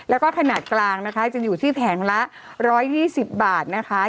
แล้วก็ขนาดกลางนะคะจะอยู่ที่แผงละ๑๒๐บาทนะคะ